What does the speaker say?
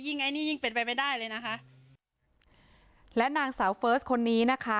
ไอ้นี่ยิ่งเป็นไปไม่ได้เลยนะคะและนางสาวเฟิร์สคนนี้นะคะ